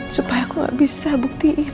supaya aku gak bisa buktiin